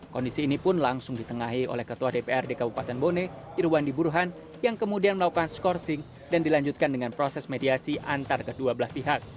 kondisi ini pun langsung ditengahi oleh ketua dprd kabupaten bone irwandi buruhan yang kemudian melakukan skorsing dan dilanjutkan dengan proses mediasi antar kedua belah pihak